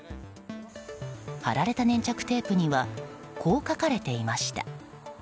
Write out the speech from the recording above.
貼られた粘着テープにはこう書かれていました。